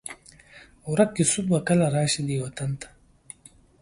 ورک یوسف به کله؟ راشي دې وطن ته